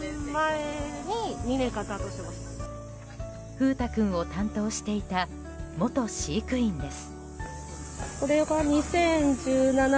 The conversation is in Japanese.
風太君を担当していた元飼育員です。